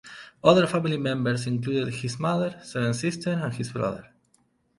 Other family members include his mother, seven sisters, and his brother.